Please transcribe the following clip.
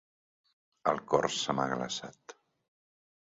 El cor se m'ha glaçat.